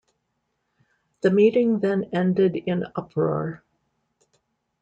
The meeting then ended in uproar.